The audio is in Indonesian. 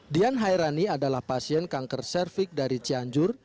dian hairani adalah pasien kanker cervix dari cianjur